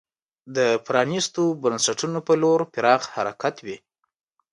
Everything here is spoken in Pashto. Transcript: د پرانیستو بنسټونو په لور پراخ حرکت وي.